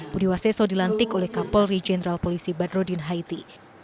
budi waseso dilantik oleh kapolri jenderal polisi badrodin haiti